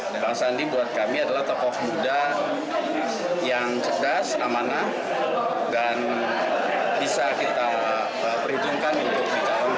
dan sandi buat kami adalah tokoh muda yang cerdas amanah dan bisa kita perhitungkan untuk dikawankan nanti oleh partai persatuan pembangunan